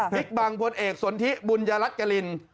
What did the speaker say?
บิ๊กบังพลเอกสวนทิบุญรัฐกรริน